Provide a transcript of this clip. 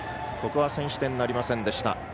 ここは先取点なりませんでした。